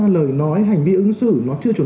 lời nói hành vi ứng xử nó chưa chuẩn